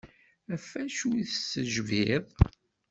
Ɣef acu tessejbiḍ?